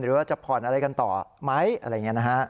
หรือว่าจะผ่อนอะไรกันต่อไหมอะไรอย่างนี้นะฮะ